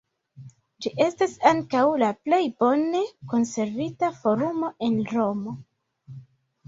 Ĝi estas ankaŭ la plej bone konservita forumo en Romo.